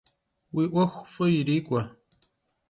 Vui 'uexu f'ı yirik'ue!